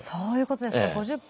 そういうことですか。